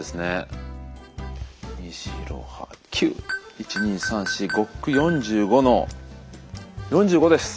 １２３４５×９＝４５の４５です。